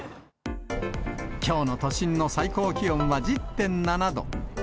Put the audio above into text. きょうの都心の最高気温は１０．７度。